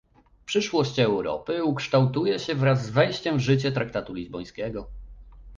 Przyszłość Europy ukształtuje się wraz z wejściem w życie traktatu lizbońskiego